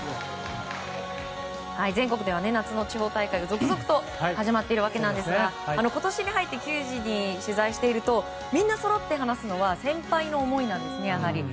全国では夏の地方大会が続々と始まっているわけですが今年に入って球児に取材しているとみんなそろって話すのが先輩の思いなんですよねやはり。